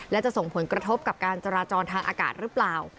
และจะส่งผลกระทบกับการจราจรทางอากาศหรือเปล่า